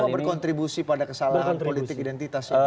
jadi semua berkontribusi pada kesalahan politik identitas